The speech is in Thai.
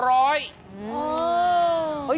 โอ้โห